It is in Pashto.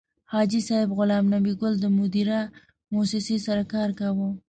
حاجي صیب غلام نبي ګل د مدیرا موسسې سره کار کاوه.